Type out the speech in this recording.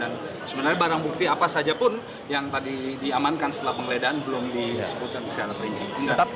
dan sebenarnya barang bukti apa saja pun yang tadi diamankan setelah penggeledahan belum disebutkan di sana